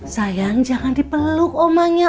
sayang jangan dipeluk omanya